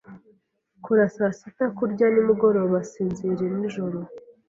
Kora saa sita Kurya nimugoroba Sinzira nijoro